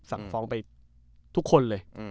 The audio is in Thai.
ฟ้องไปทุกคนเลย